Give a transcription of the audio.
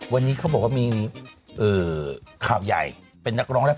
วันนี้เขาบอกว่ามีข่าวใหญ่เป็นนักร้องแรก